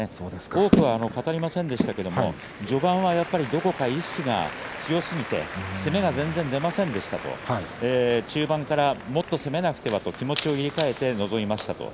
多くは語りませんでしたけれども序盤は、やっぱりどこか意識が強すぎて攻めが全然出ませんでした中盤からもっと攻めなくてはと気持ちを入れ替えて臨みました。